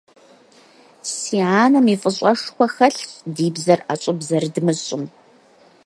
Си анэм и фӀыщӀэшхуэ хэлъщ ди бзэр ӀэщӀыб зэрыдмыщӀым.